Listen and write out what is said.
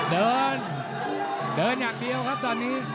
เดินเดินอย่างเดียวครับตอนนี้